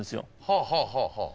はあはあはあはあ。